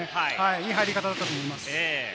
いい入り方だったと思います。